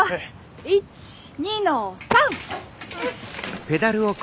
１２の３！